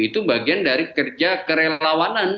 itu bagian dari kerja kerelawanan